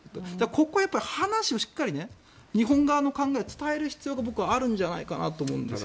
ここは話をしっかり日本側の考えを伝える必要があるんじゃないかと思うんです。